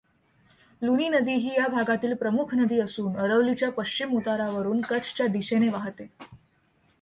लुनी नदी ही या भागातील प्रमुख नदी असून अरवलीच्या पश्चिम उतारावरून कच्छच्या दिशेने वाहते.